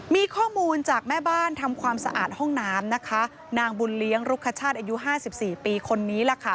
มีข้อมูลจากแม่บ้านทำความสะอาดห้องน้ำนะคะนางบุญเลี้ยงรุคชาติอายุห้าสิบสี่ปีคนนี้ล่ะค่ะ